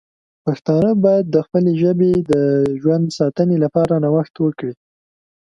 پښتانه باید د خپلې ژبې د ژوند ساتنې لپاره نوښت وکړي.